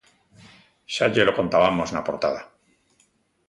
Xa llelo contabamos na portada.